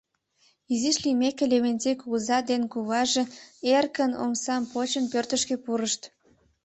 Изиш лиймеке, Левентей кугыза ден куваже, э-эркын омсам почын, пӧртышкӧ пурышт.